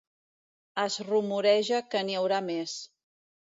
Es rumoreja que n'hi haurà més.